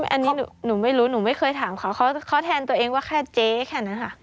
อันนี้หนูไม่รู้หนูไม่เคยถามเขาเขาแทนตัวเองว่าแค่เจ๊แค่นั้นค่ะ